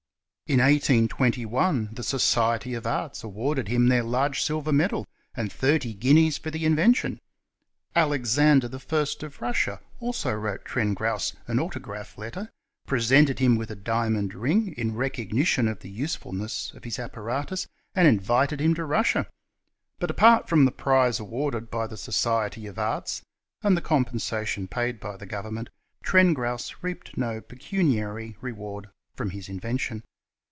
In 1821 the Society of Arts awarded him their large silver medal and thirty guineas for the invention. Alexander I of Russia also wrote Trengrouse an autograph letter, pre sented him with a diamond ring in re cognition of the usefulness of his apparatus, and invited him to Russia : but apart from the prize awarded by the Society of Arts and the compensation paid by the govern ment, Trengrouse reaped no pecuniary re ward from his invention.